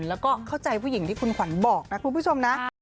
แล้วก็เข้าใจผู้หญิงที่คุณขวัญบอกนะคุณผู้ชมนะ